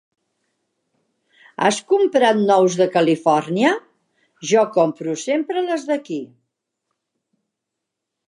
Has comprat nous de Califòrnia? Jo compro sempre les d'aquí.